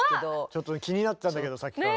ちょっと気になってたんだけどさっきから。